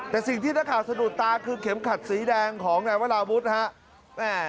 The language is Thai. แต่สิ่งที่นักข่าวสะดุดตาคือเข็มขัดสีแดงของนายวราวุฒิฮะ